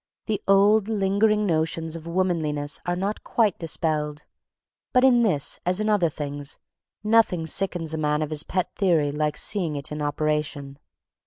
The old, lingering notions of womanliness are not quite dispelled, but in this, as in other things, nothing sickens a man of his pet theory like seeing it in operation.